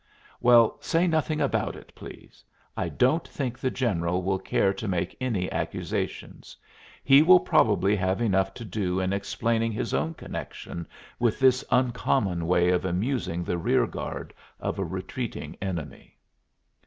"Well, say nothing about it, please. I don't think the general will care to make any accusations. He will probably have enough to do in explaining his own connection with this uncommon way of amusing the rear guard of a retreating enemy."